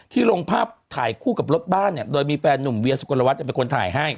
ลงภาพถ่ายคู่กับรถบ้านเนี่ยโดยมีแฟนหนุ่มเวียสุกลวัฒน์เป็นคนถ่ายให้